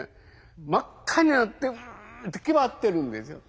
真っ赤になってんって気張ってるんですよ。